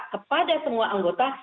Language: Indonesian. kepada semua anggota